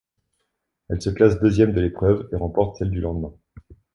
Elle se classe deuxième de l'épreuve et remporte celle du lendemain.